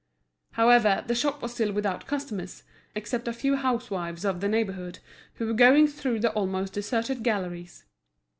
However, the shop was still without customers, except a few housewives of the neighbourhood who were going through the almost deserted galleries.